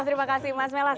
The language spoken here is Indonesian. terima kasih mas melas